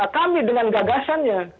kami dengan gagasannya